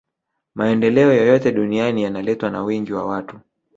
maendeleo yoyote duniani yanaletwa na wingi wa watu